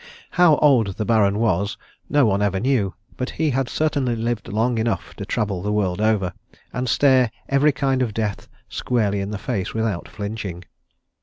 How old the Baron was no one ever knew, but he had certainly lived long enough to travel the world over, and stare every kind of death squarely in the face without flinching.